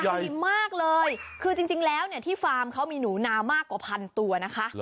ดีมากเลยคือจริงแล้วเนี่ยที่ฟาร์มเขามีหนูนามากกว่าพันตัวนะคะ